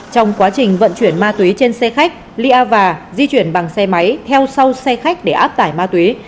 trong quá trình vận chuyển má túy trên xe khách ly ava di chuyển bằng xe máy theo sau xe khách để áp tải má túy